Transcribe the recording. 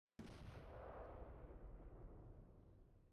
Y fue embajador de Chile en Panamá.